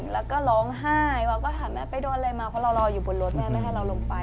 แล้วก็ร้องไห้เราก็ถามแม่ไปโดนอะไรมาเพราะเรารออยู่บนรถแม่ไม่ให้เราลงไป